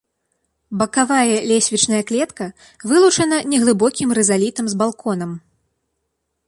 Бакавая лесвічная клетка вылучана неглыбокім рызалітам з балконам.